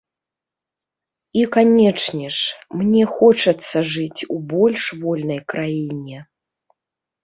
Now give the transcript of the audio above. І, канечне ж, мне хочацца жыць у больш вольнай краіне.